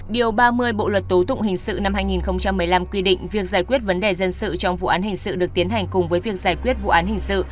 điều ba mươi bộ luật tố tụng hình sự năm hai nghìn một mươi năm quy định việc giải quyết vấn đề dân sự trong vụ án hình sự được tiến hành cùng với việc giải quyết vụ án hình sự